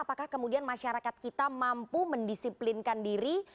apakah kemudian masyarakat kita mampu mendisiplinkan diri